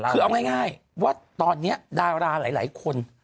คือเอาง่ายว่าตอนนี้ดาราหลายคน